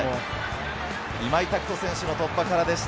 今井拓人選手の突破からでした。